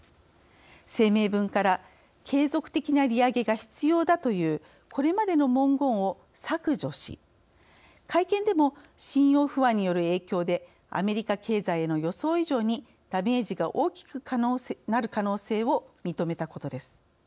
声明文から「継続的な利上げが必要だ」という、これまでの文言を削除し会見でも、信用不安による影響でアメリカ経済への予想以上にダメージが大きくなる可能性を認めたことです。